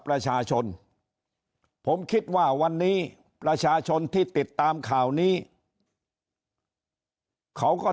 ประชาชนผมคิดว่าวันนี้ประชาชนที่ติดตามข่าวนี้เขาก็